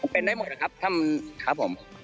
เป็นได้หมดหรือครับครับผม